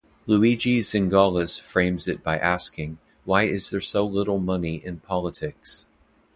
Luigi Zingales frames it by asking, Why is there so little money in politics?